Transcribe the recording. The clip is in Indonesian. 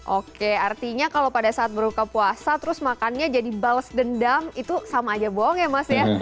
oke artinya kalau pada saat berbuka puasa terus makannya jadi bales dendam itu sama aja bohong ya mas ya